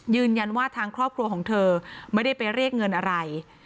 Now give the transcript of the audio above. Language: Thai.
ยืนยันว่าทางครอบครัวของเธอไม่ได้ไปเรียกเงินอะไร